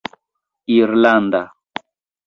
irlanda